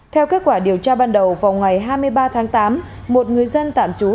theo kết quả điều tra ban đầu vào ngày hai mươi ba tháng tám một người dân tạm trú